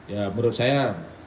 ya menurut saya